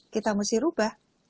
kita harus berubah